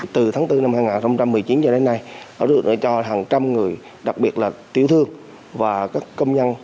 từ tháng bốn năm hai nghìn hai mươi